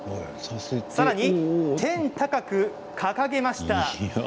さらに天高く掲げました。